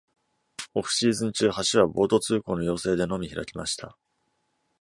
オフシーズン中、橋はボート通行の要請でのみ開きました。